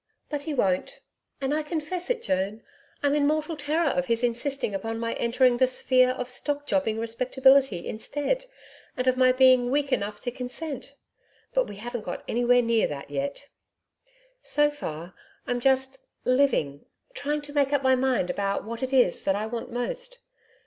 But he won't: and I confess it, Joan I'm in mortal terror of his insisting upon my entering the sphere of stock jobbing respectability instead, and of my being weak enough to consent. But we haven't got anywhere near that yet. So far, I'm just living trying to make up my mind what it is that I want most.